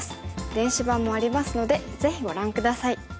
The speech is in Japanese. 電子版もありますのでぜひご覧下さい。